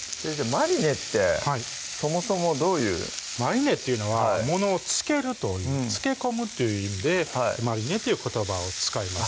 マリネってそもそもどういうマリネっていうのはものを漬けるという漬け込むという意味でマリネという言葉を使います